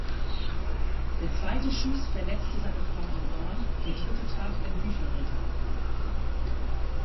Der zweite Schuss verletzte seine Frau am Arm, der dritte traf ein Bücherregal.